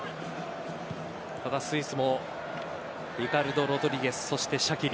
ただ、スイスもリカルド・ロドリゲスそしてシャキリ。